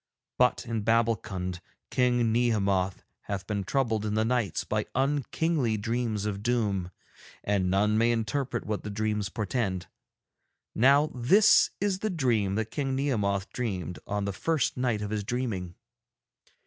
But in Babbulkund King Nehemoth hath been troubled in the nights by unkingly dreams of doom, and none may interpret what the dreams portend. Now this is the dream that King Nehemoth dreamed on the first night of his dreaming.